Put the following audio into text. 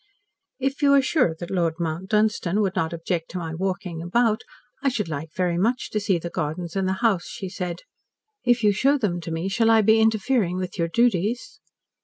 "If you are sure that Lord Mount Dunstan would not object to my walking about, I should like very much to see the gardens and the house," she said. "If you show them to me, shall I be interfering with your duties?"